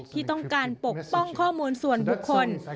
ที่ต้องการปกป้องข้อมูลส่วนบุคคล